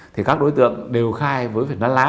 thì các đối tượng đều khai với phần lá lá